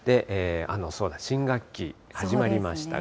そうだ、新学期、始まりました。